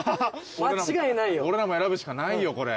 俺らも選ぶしかないよこれ。